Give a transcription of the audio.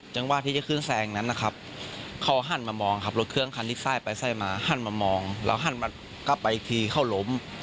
จังหวะที่จะขึ้นแซงนั้นนะครับเขาหันมามองครับรถเครื่องคันที่ไส้ไปไส้มาหันมามองแล้วหันมากลับไปอีกทีเขาล้ม